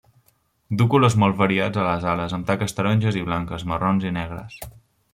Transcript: Du colors molt variats a les ales, amb taques taronges i blanques, marrons i negres.